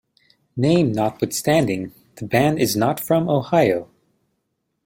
Name notwithstanding, the band is not from Ohio.